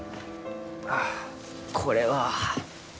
あこれは。